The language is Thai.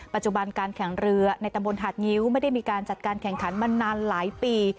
ปัจจุบันการแข่งเรือในตำบลหาดงิ้วไม่ได้มีการจัดการแข่งขันมานานหลายปี